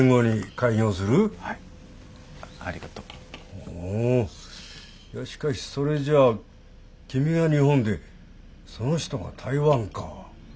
ほうしかしそれじゃ君が日本でその人が台湾か。